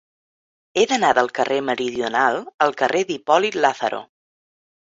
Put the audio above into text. He d'anar del carrer Meridional al carrer d'Hipòlit Lázaro.